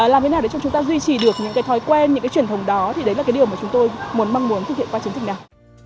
làm thế nào để cho chúng ta duy trì được những cái thói quen những cái truyền thống đó thì đấy là cái điều mà chúng tôi muốn mong muốn thực hiện qua chiến dịch này